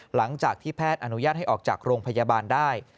หลังจากที่แพทย์อนุญาตให้ออกจากโรงพยาบาลได้